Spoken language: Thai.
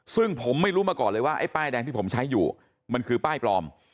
ซึ่งผมไม่รู้มาก่อนเลยว่าไอ้ป้ายแดงที่ผมใช้อยู่มันคือป้ายปลอม